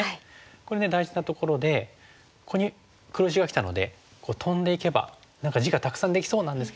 これ大事なところでここに黒石がきたのでトンでいけば何か地がたくさんできそうなんですけども。